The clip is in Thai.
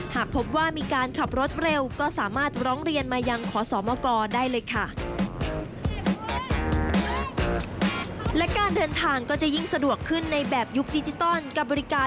หากพบว่ามีการขับรถเร็วก็สามารถร้องเรียนมายังขอสมกได้เลยค่ะ